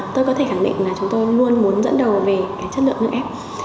tôi có thể khẳng định là chúng tôi luôn muốn dẫn đầu về cái chất lượng nước ép